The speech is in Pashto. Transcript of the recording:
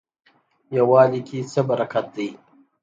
یووالي کې څه برکت دی؟